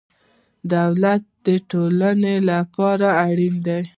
دولت د ټولنو لپاره اړین دی.